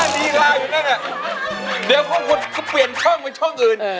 เดี๋ยวคนคนก็เปลี่ยนช่องเป็นช่องอื่น